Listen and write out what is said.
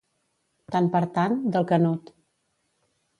Tant per tant, del canut.